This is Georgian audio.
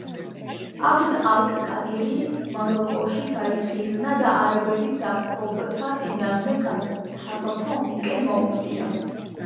აბდ ალ-კადირი მაროკოში გაიხიზნა და არაბებს დამპყრობთა წინააღმდეგ საღვთო ომისკენ მოუწოდა.